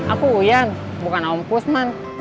aku uyan bukan om kusman